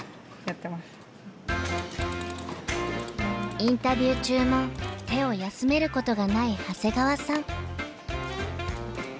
インタビュー中も手を休めることがない長谷川さん。